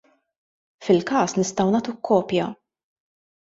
Fil-każ nistgħu nagħtuk kopja.